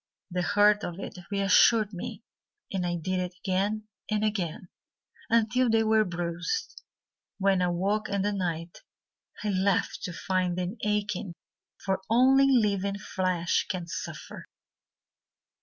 The hurt of it reassured me, And I did it again and again Until they were bruised. When I woke in the night I laughed to find them aching, For only living flesh can suffer.